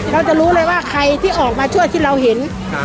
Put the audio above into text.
เราจะรู้เลยว่าใครที่ออกมาช่วยที่เราเห็น